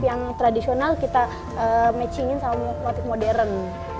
tapi yang tradisional kita matching in sama motif modern